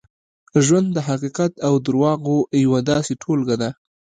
ژوند د حقیقت او درواغو یوه داسې ټولګه ده.